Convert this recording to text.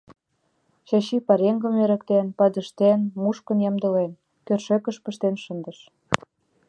Чачи, пареҥгым эрыктен, падыштен, мушкын ямдылен, кӧршӧкыш пыштен шындыш.